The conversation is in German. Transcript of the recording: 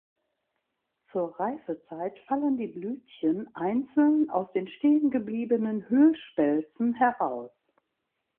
Zur Reifezeit fallen die Blütchen einzeln aus den stehengebliebenen Hüllspelzen heraus.